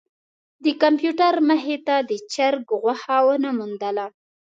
د کمپیوټر مخې ته د چرک غوښه ونه موندله.